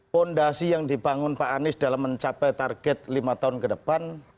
fondasi yang dibangun pak anies dalam mencapai target lima tahun ke depan